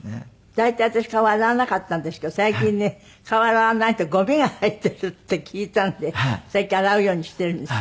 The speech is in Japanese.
大体私顔洗わなかったんですけど最近ね顔洗わないとゴミが入っているって聞いたんで最近洗うようにしているんですけど。